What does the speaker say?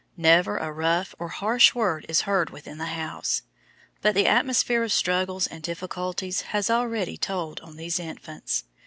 Never a rough or harsh word is heard within the house. But the atmosphere of struggles and difficulties has already told on these infants.